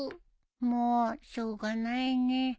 もおしょうがないね。